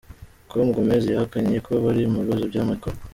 com, Gomes yahakanye ko bari mu bibazo by’amikoro.